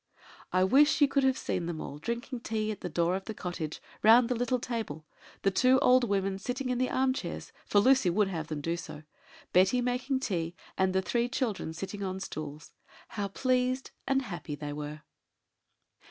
I wish you could have seen them all drinking tea at the door of the cottage, round the little table, the two old women sitting in the arm chairs, for Lucy would have them do so, Betty making tea, and the three children sitting on stools and how pleased and happy they were.